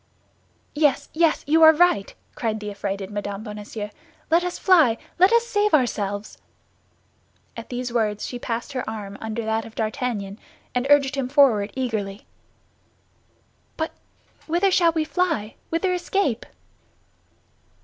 "Yes, yes! You are right," cried the affrighted Mme. Bonacieux; "let us fly! Let us save ourselves." At these words she passed her arm under that of D'Artagnan, and urged him forward eagerly. "But whither shall we fly—whither escape?"